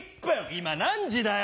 今何時だよ？